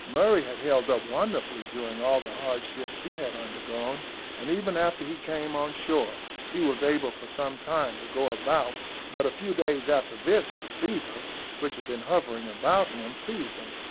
Murray had held up wonderfully during all the hardships he had undergone, and even after he came on shore he was able for some time to go about, but a few days after this the fever, which had been hovering about him, seized him.